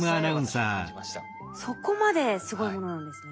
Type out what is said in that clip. そこまですごいものなんですね。